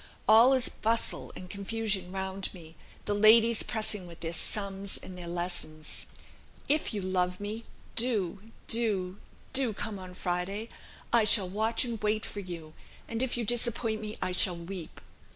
All is bustle and confusion round me, the ladies pressing with their sums and their lessons ... If you love me, do, do, do come on Friday: I shall watch and wait for you, and if you disappoint me I shall weep.